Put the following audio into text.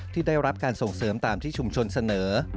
ที่ได้รับการส่งเสริมตามที่ชุมชนเสนอ